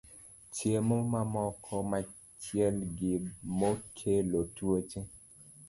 Chiemo mamoko mochiel gi mo kelo tuoche